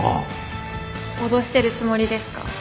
脅してるつもりですか？